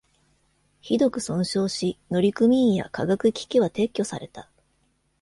ひどく損傷し、乗組員や科学機器は撤去された。